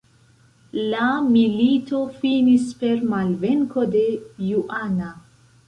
La milito finis per malvenko de Juana.